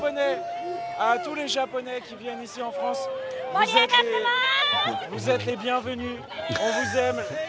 盛り上がっています！